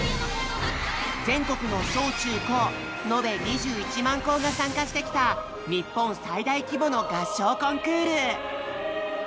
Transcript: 全国の小・中・高のべ２１万校が参加してきた日本最大規模の合唱コンクール！